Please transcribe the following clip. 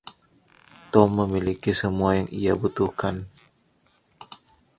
Tom memiliki semua yang ia butuhkan.